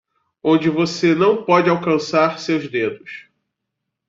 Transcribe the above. Onde você não pode alcançar seus dedos